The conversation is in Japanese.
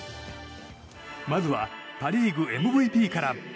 まずはパ・リーグＭＶＰから。